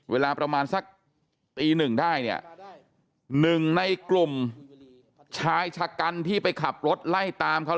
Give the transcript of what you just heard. เวลาประมาณสักตีหนึ่งได้เนี่ยหนึ่งในกลุ่มชายชะกันที่ไปขับรถไล่ตามเขา